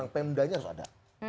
pendanya harus ada